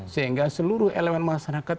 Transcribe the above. sehingga seluruh elemen masyarakat